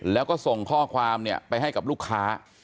แล้วก็ส่งข้อความไปให้กับลูกค้า